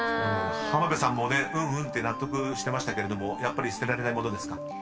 ［浜辺さんもねうんうんって納得してましたけれどもやっぱり捨てられないものですか？］